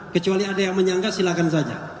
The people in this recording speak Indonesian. kecuali ada yang menyangka silahkan saja